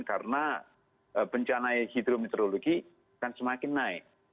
karena bencana hidrometeorologi akan semakin naik